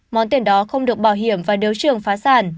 món tiền đó không được bảo hiểm và nếu trường phá sản